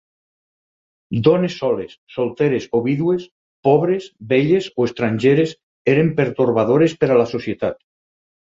Dones soles, solteres o vídues, pobres, velles o estrangeres eren pertorbadores per a la societat.